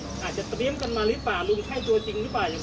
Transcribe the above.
ลุงใช่ตัวจริงหรือเปล่าอย่างเงินนี้